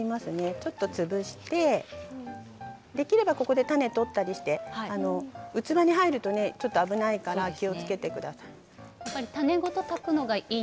ちょっと潰してできればここで種を取ったりして器に入るとちょっと危ないから気をつけてください。